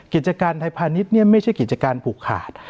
กิจการไทยพาณิชย์ไม่ใช่กิจการผูกขาด